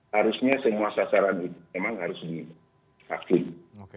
harusnya semua sasaran itu memang harus divaksin